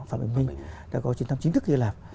phạm bình minh đã có chuyến thăm chính thức hy lạp